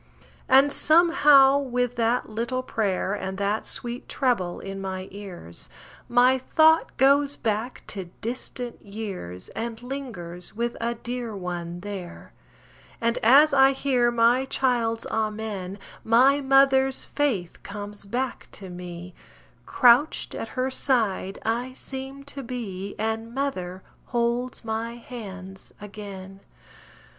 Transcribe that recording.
And, somehow with that little pray'r And that sweet trebble in my ears, My thought goes back to distant years, And lingers with a dear one there; And as I hear my child's amen, My mother's faith comes back to me Crouched at her side I seem to be, And mother holds my hands again.